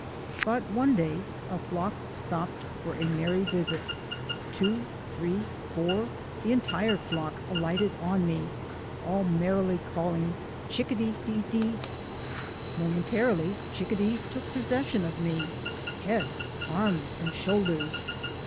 But one day a flock stopped for a merry visit. Two, three, four, the entire flock, alighted on me, all merrily calling " chick a de de dee." Momentarily chickadees took possession of me — head, arms, and shoulders.